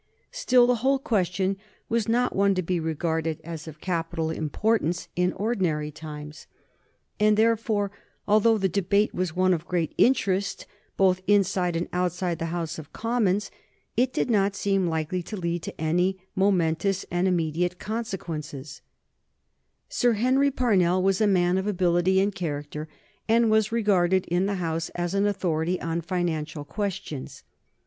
Still, the whole question was not one to be regarded as of capital importance in ordinary times, and therefore, although the debate was one of great interest both inside and outside the House of Commons, it did not seem likely to lead to any momentous and immediate consequences. [Sidenote: 1830 Ministerial resignations] Sir Henry Parnell was a man of ability and character, and was regarded in the House as an authority on financial questions.